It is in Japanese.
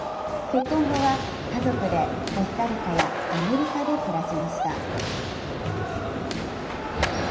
結婚後は、家族でコスタリカやアメリカで暮らしました。